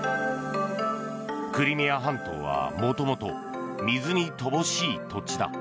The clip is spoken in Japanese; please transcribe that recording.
クリミア半島はもともと、水に乏しい土地だ。